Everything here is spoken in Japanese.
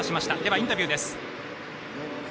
インタビューです。